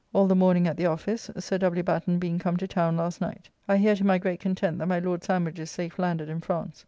All the morning at the office, Sir W. Batten being come to town last night. I hear, to my great content, that my Lord Sandwich is safe landed in France.